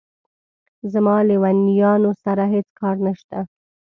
زما له لېونیانو سره هېڅ کار نشته.